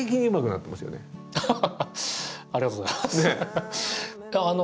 ありがとうございます。ねぇ。